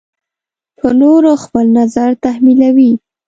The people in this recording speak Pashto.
په نورو خپل نظر تحمیلوي.